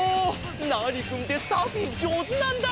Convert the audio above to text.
ナーニくんってサーフィンじょうずなんだ！